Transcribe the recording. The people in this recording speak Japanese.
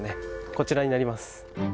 こちらになります。